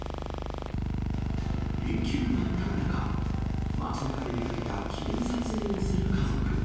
連休真っただ中、街なかで見かけた記念撮影をする家族。